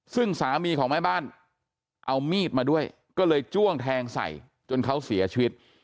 ซึ่งสามีของแม่บ้านเอามีดมาด้วยก็เลยจ้วงแทงใส่จนเขาเสียชีวิต